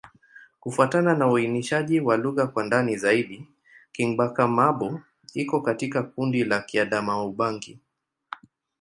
Kufuatana na uainishaji wa lugha kwa ndani zaidi, Kingbaka-Ma'bo iko katika kundi la Kiadamawa-Ubangi.